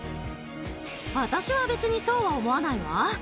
私は別にそうは思わないわ。